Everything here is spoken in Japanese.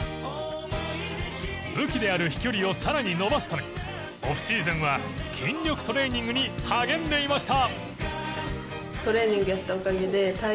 武器である飛距離を更に伸ばすためオフシーズンは筋力トレーニングに励んでいました。